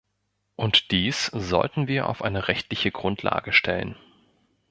Und dies sollten wir auf eine rechtliche Grundlage stellen.